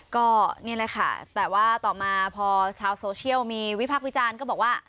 ก็นี่แหละค่ะแต่ว่าต่อมาพอชาวโซเชียลมีวิพักษ์วิจารณ์ก็บอกว่า